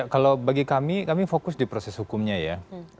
kalau bagi kami kami fokus di proses hukumnya ya